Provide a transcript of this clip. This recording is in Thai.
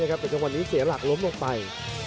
แต่จังหวะนี้เสียหลักล้มลงไป